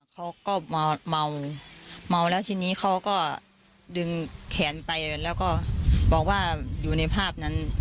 เขาก็เมาเมาแล้วทีนี้เขาก็ดึงแขนไปแล้วก็บอกว่าอยู่ในภาพนั้น